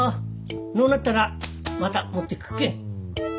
のうなったらまた持ってくっけん。